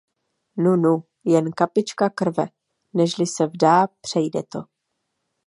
Nunu, jen kapička krve; nežli se vdá, přejde to.